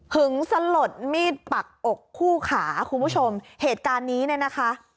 ึงสลดมีดปักอกคู่ขาคุณผู้ชมเหตุการณ์นี้เนี่ยนะคะ